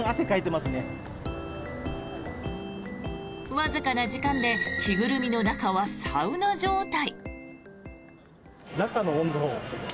わずかな時間で着ぐるみの中はサウナ状態。